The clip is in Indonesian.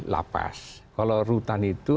lapas kalau rutan itu